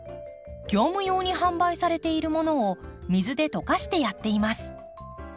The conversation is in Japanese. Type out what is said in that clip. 業務用に販売されているものを水で溶かしてやっています。